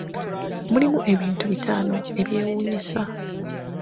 mulimu ebintu bitaano ebyewuunyisa.